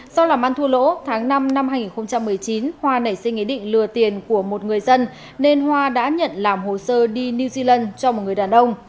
do làm ăn thua lỗ tháng năm năm hai nghìn một mươi chín hoa nảy sinh ý định lừa tiền của một người dân nên hoa đã nhận làm hồ sơ đi new zealand cho một người đàn ông